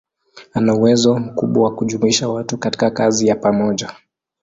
Ana uwezo mkubwa wa kujumuisha watu katika kazi ya pamoja.